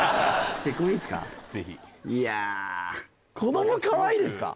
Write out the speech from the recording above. ぜひいや子どもかわいいですか？